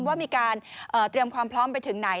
ว่ามีการเตรียมความพร้อมไปถึงไหน